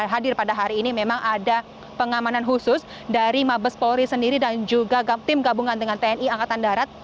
hadir pada hari ini memang ada pengamanan khusus dari mabes polri sendiri dan juga tim gabungan dengan tni angkatan darat